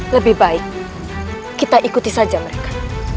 lebih baik kita ikuti saja mereka